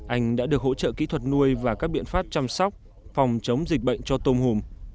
anh đã được hỗ trợ kỹ thuật nuôi và các biện pháp chăm sóc phòng chống dịch bệnh cho tôm hùm